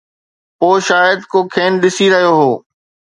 پوءِ شايد ڪو کين ڏسي رهيو هو.